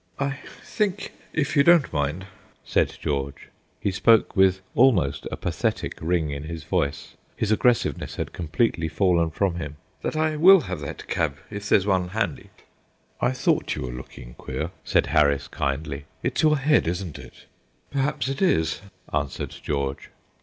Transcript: "I think, if you don't mind," said George he spoke with almost a pathetic ring in his voice, his aggressiveness had completely fallen from him, "that I will have that cab, if there's one handy." "I thought you were looking queer," said Harris, kindly. "It's your head, isn't it?" "Perhaps it is," answered George.